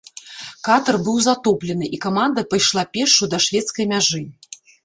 Катар быў затоплены і каманда пайшла пешшу да шведскай мяжы.